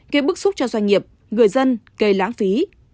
gây bức xúc cho doanh nghiệp người dân gây lãng phí